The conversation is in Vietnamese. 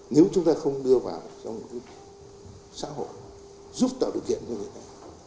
nếu chúng ta không đưa vào trong một xã hội giúp tạo điều kiện cho người ta